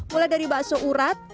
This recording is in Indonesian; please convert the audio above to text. mulai dari bakso urat